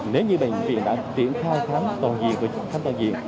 nếu như bệnh viện đã triển khai khám toàn diện